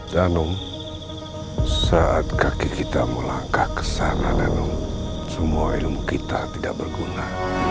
zanum saat kaki kita melangkah ke sana semua ilmu kita tidak berguna